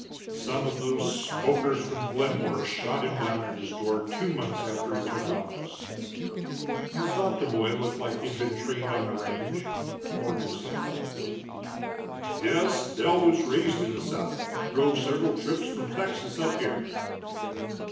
Some of those skulkers from Glenmore shot him down at his door two months after he took office." "I thought the boy looked like he'd been trained on the range," Morgan said, thoughtfully. "Yes, Dell was raised in the saddle, drove several trips from Texas up here.